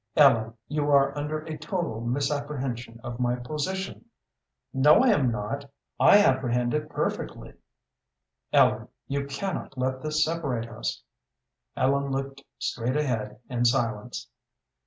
"Ellen, you are under a total misapprehension of my position." "No, I am not. I apprehend it perfectly." "Ellen, you cannot let this separate us." Ellen looked straight ahead in silence.